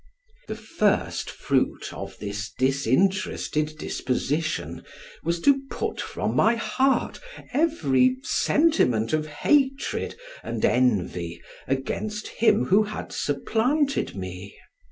The first fruit of this disinterested disposition was to put from my heart every sentiment of hatred and envy against him who had supplanted me.